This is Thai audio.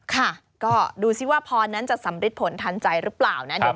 ค่ะก็ดูสิว่าพรนั้นจะสำริดผลทันใจหรือเปล่านะ